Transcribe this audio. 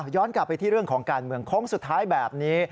กลับไปที่เรื่องของการเมืองโค้งสุดท้ายแบบนี้